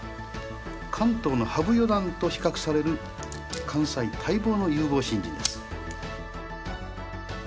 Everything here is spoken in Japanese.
関東の羽生四段と比較される関西待望の有望新人です。